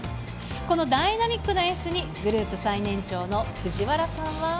このダイナミックな演出にグループ最年長の藤原さんは。